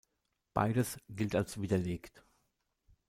Beides gilt als widerlegt.